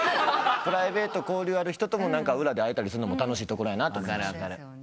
プライベート交流ある人とも裏で会えたりするのも楽しいところやなと思いましたね。